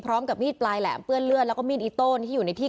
พร้อมกับมีดปลายแหลมเปื้อนเลือดแล้วก็มีดอิโต้ที่อยู่ในที่